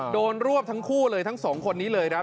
รวบทั้งคู่เลยทั้งสองคนนี้เลยครับ